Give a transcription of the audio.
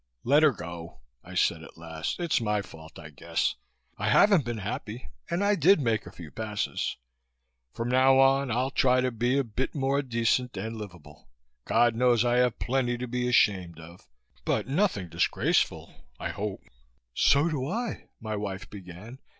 "Let her go!" I said at last. "It's my fault, I guess. I haven't been happy and I did make a few passes. From now on, I'll try to be a bit more decent and livable. God knows I have plenty to be ashamed of, but nothing disgraceful ... I hope." "So do I," my wife began.